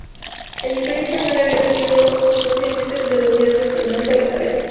El Imperio español había crecido sustancialmente desde los días de Fernando e Isabel.